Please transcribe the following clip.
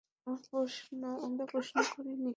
আমরা প্রশ্ন করিনি।